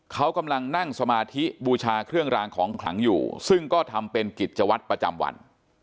เขากำลังนั่งสมาธิบูชาเครื่องรางของขลังอยู่ซึ่งก็ทำเป็นกิจวัตรประจำวัน